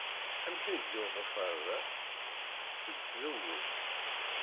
Amek ay d-yudef ɣer da? Seg tzewwut.